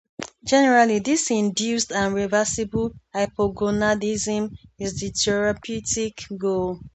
Generally this induced and reversible hypogonadism is the therapeutic goal.